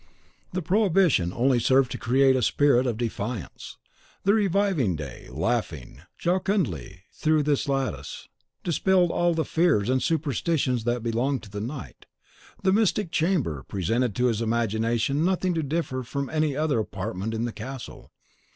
The prohibition only served to create a spirit of defiance. The reviving day, laughing jocundly through his lattice, dispelled all the fears and superstitions that belong to night. The mystic chamber presented to his imagination nothing to differ from any other apartment in the castle.